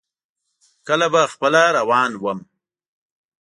کله به خپله روان ووم.